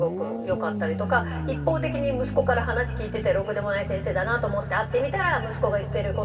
一方的に息子から話聞いててろくでもない先生だなと思って会ってみたら。